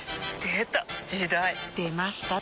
出ました！